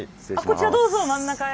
こちらどうぞ真ん中へ。